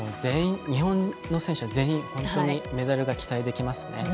日本の選手は全員メダルが期待されますね。